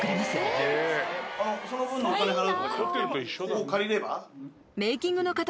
ここ借りれば？